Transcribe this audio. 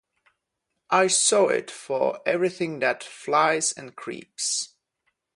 I sow it for everything that flies and creeps.